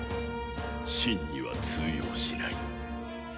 シンには通用しない。